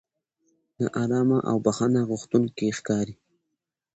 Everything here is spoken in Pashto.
نا ارامه او بښنه غوښتونکي ښکاري.